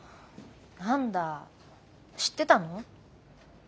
何だ知ってたの？